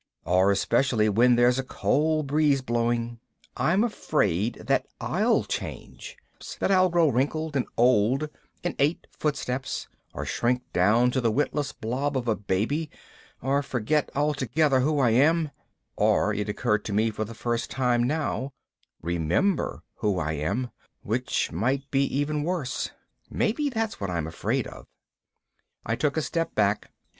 Or, especially when there's a cold breeze blowing, I'm afraid that I'll change, that I'll grow wrinkled and old in eight footsteps, or shrink down to the witless blob of a baby, or forget altogether who I am or, it occurred to me for the first time now, remember who I am. Which might be even worse. Maybe that's what I'm afraid of. I took a step back.